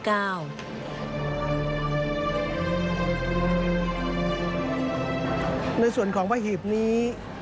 ในส่วนของพระหีบนี้